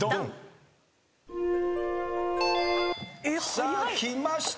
さあきました。